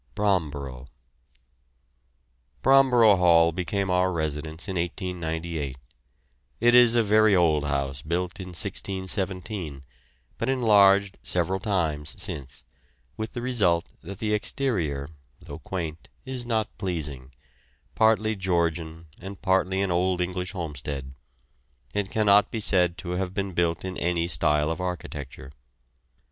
BROMBOROUGH. Bromborough Hall became our residence in 1898. It is a very old house built in 1617, but enlarged several times since, with the result that the exterior, though quaint, is not pleasing partly Georgian and partly an old English homestead; it cannot be said to have been built in any style of architecture.